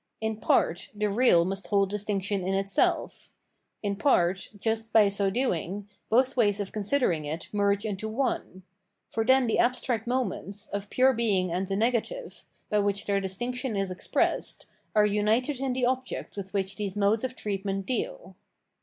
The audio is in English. In part, the real must hold distinction in itself ; in part, just by so doing, both ways of considering it merge into one ; for then the abstract moments, of pure being and the negative, by which their distinction is expressed, are united in the object with which these modes of treatment deal.